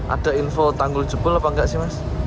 ada info tanggul jebol apa enggak sih mas